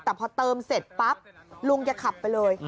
แต่พอเติมเสร็จปั๊บลุงแกขับไปเลย